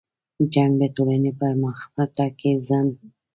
جنګ د ټولنې په پرمختګ کې خنډ ګرځي.